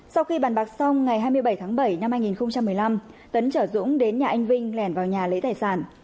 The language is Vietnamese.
sau khi bàn bạc xong ngày hai mươi bảy tháng bảy năm hai nghìn một mươi năm tấn chở dũng đến nhà anh vinh lẻn vào nhà lấy tài sản